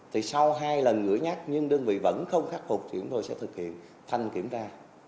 thì sau hai lần gửi nhắc nhưng đơn vị vẫn không khắc phục thì chúng tôi sẽ thực hiện thanh kiểm tra